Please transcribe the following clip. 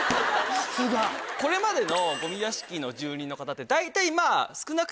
これまでのゴミ屋敷の住人の方って大体まぁ。